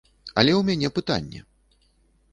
Але ў мяне пытанне.